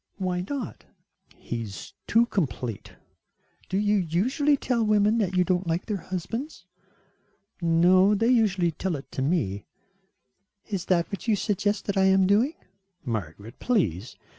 "Why not?" "He is too complete." "Do you usually tell women that you don't like their husbands?" "No, they usually tell it to me." "Is that what you suggest that I am doing?" "Margaret, please.